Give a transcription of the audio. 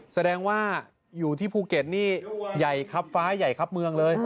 แสดงว่าอยู่ที่ภูเก็ตนี่ใหญ่ครับฟ้าใหญ่ครับเมืองเลย